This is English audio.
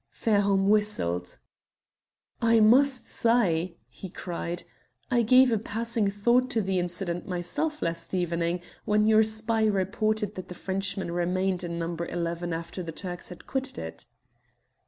Fairholme whistled. "I must say," he cried, "I gave a passing thought to the incident myself last evening when your spy reported that the Frenchman remained in No. 11 after the Turks had quitted it."